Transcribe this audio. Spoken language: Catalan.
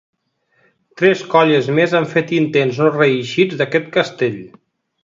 Tres colles més han fet intents no reeixits d'aquest castell.